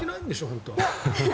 本当は。